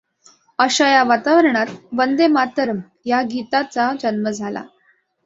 अशा या वातावरणात वंदे मातरम् या गीताचा जन्म झाला.